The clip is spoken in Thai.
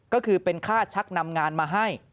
ก็คือเป็นค่าชักนำงานมาให้